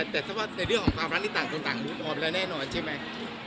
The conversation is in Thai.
แต่ถ้าเกิดในเรื่องของความรักนี่ต่างมุกออกไปแล้วแน่นอนใช่ไหม